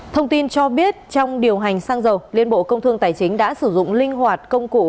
thông tin cho biết trong điều hành xăng dầu liên bộ công thương tài chính đã sử dụng linh hoạt công cụ